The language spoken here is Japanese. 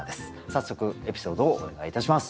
早速エピソードをお願いいたします。